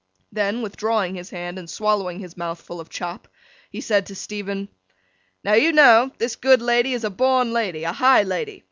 Then, withdrawing his hand and swallowing his mouthful of chop, he said to Stephen: 'Now you know, this good lady is a born lady, a high lady.